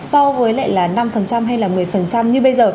tăng lên so với lại là năm hay là một mươi như bây giờ